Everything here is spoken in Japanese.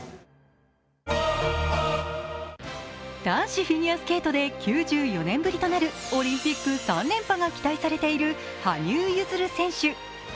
男子フィギュアスケートで９４年ぶりとなるオリンピック３連覇が期待されている羽生結弦選手。